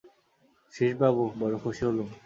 শ্রীশবাবু, বড়ো খুশি হলুম!